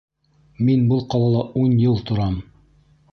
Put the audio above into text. Мин был ҡалала ун йыл торам.